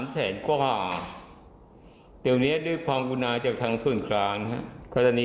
๓แสนกว่าเดี๋ยวนี้ด้วยความกุณาจากทางส่วนกลางครับเพราะตอนนี้